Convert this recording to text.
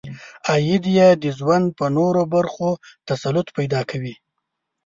عاید یې د ژوند په نورو برخو تسلط پیدا کوي.